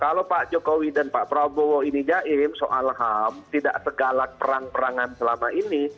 kalau pak jokowi dan pak prabowo ini jaim soal ham tidak segalak perang perangan selama ini